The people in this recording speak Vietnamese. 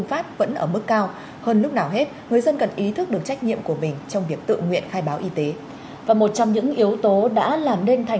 phải chịu trách nhiệm chính